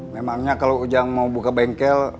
memangnya kalau ujang mau buka bengkel